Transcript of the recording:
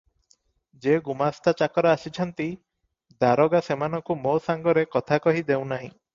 ଯେ ଗୁମାସ୍ତା ଚାକର ଆସିଛନ୍ତି, ଦାରୋଗା ସେମାନଙ୍କୁ ମୋ ସାଙ୍ଗରେ କଥା କହି ଦେଉନାହିଁ ।